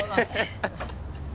ハハハハ！